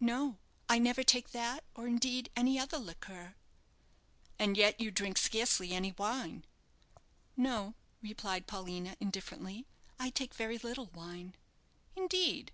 "No; I never take that, or indeed, any other liqueur." "And yet you drink scarcely any wine?" "No," replied Paulina, indifferently; "I take very little wine." "Indeed!"